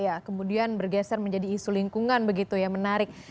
iya kemudian bergeser menjadi isu lingkungan begitu ya menarik